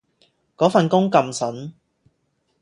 嗰份工咁旬